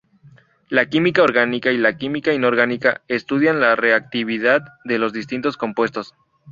La química orgánica y la química inorgánica estudian la reactividad de los distintos compuestos.